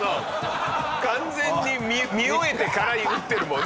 完全に見終えてから打ってるもんね。